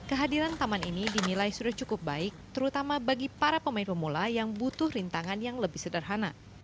kehadiran taman ini dinilai sudah cukup baik terutama bagi para pemain pemula yang butuh rintangan yang lebih sederhana